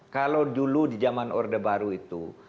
kalau dulu di zaman orde baru itu